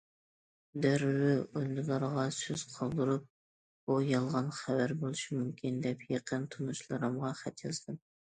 دەررۇ ئۈندىدارغا سۆز قالدۇرۇپ بۇ يالغان خەۋەر بولۇشى مۇمكىن دەپ يېقىن تونۇشلىرىمغا خەت يازدىم.